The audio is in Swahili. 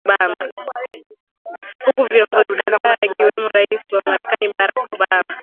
huku viongozi kadhaa akiwemo rais wa marekani barack obama